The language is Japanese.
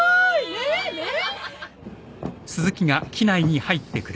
ねえねえ。